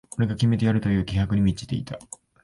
俺が決めてやるという気迫に満ちていた